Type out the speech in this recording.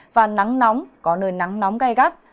và nắng nóng có nơi nắng nóng gai gắt